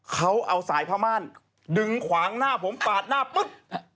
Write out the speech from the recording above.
เขาเอาสายผ้าม่านดึงขวางหน้าผมปาดหน้าปุ๊บ